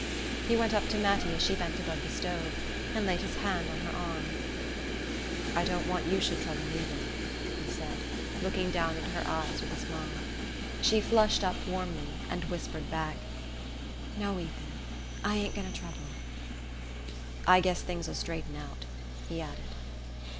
He went up to Mattie as she bent above the stove, and laid his hand on her arm. "I don't want you should trouble either," he said, looking down into her eyes with a smile. She flushed up warmly and whispered back: "No, Ethan, I ain't going to trouble." "I guess things'll straighten out," he added.